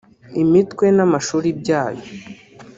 imitwe n’Amashuri byayo